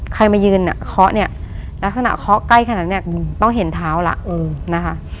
ใครมายืนเนี่ยเคาะเนี่ยลักษณะเคาะใกล้ขนาดนั้นเนี่ยต้องเห็นเท้าแล้วนะคะ